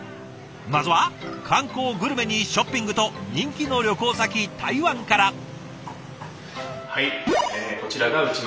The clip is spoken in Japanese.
まずは観光グルメにショッピングと人気の旅行先台湾から。